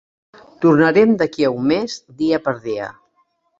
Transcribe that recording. Tornarem d'aquí a un mes dia per dia.